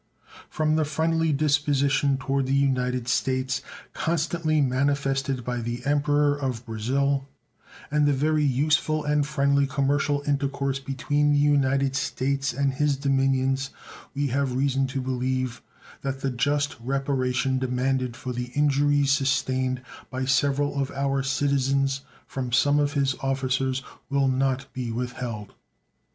From the friendly disposition toward the United States constantly manifested by the Emperor of Brazil, and the very useful and friendly commercial intercourse between the United States and his dominions, we have reason to believe that the just reparation demanded for the injuries sustained by several of our citizens from some of his officers will not be withheld.